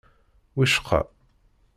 Wicqa.